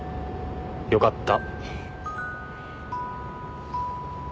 よかった。